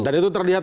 dan itu terlihat